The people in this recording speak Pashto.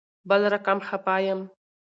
بل رقم خفه یم